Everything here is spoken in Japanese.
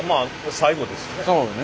最後ですよね。